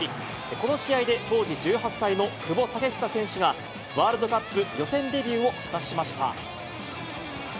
この試合で当時１８歳の久保建英選手が、ワールドカップ予選デビューを果たしました。